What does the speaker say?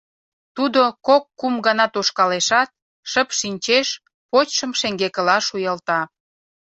Тудо кок-кум гана тошкалешат, шып шинчеш, почшым шеҥгекыла шуялта.